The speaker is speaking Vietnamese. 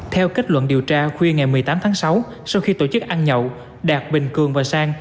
theo kết luận điều tra khuya ngày một mươi tám tháng sáu sau khi tổ chức ăn nhậu đạt bình cường và sang